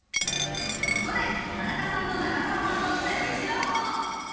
ここで田中さんと中澤さんのゼロイチ情報。